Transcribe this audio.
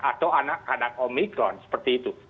atau anak anak omikron seperti itu